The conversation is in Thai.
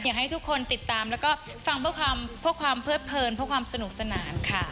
อยากให้ทุกคนติดตามแล้วก็ฟังเพื่อความเพิดเพลินเพื่อความสนุกสนานค่ะ